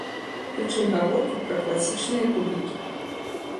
Прычым гаворка пра класічныя кубікі.